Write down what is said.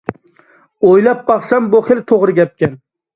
ئويلاپ باقسام بۇ خېلى توغرا گەپكەن.